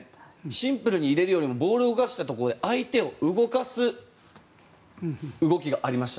シンプルに入れるよりもボールを動かしたところで相手を動かす動きがありました。